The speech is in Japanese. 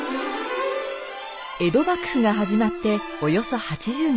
江戸幕府が始まっておよそ８０年。